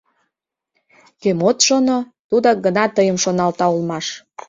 Кӧм от шоно — тудак гына тыйым шоналта улмаш...